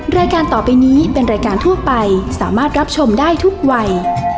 รายการต่อไปนี้เป็นรายการทั่วไปสามารถรับชมได้ทุกวัย